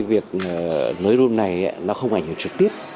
việc nới rung này nó không phải hiểu trực tiếp